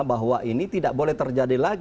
bahwa ini tidak boleh terjadi lagi